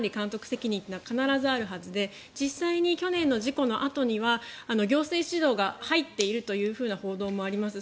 責任が必ずあるはずで実際に去年の事故のあとには行政指導が入っているというような報道もあります。